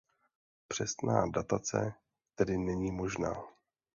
Přesná datace tedy není možná.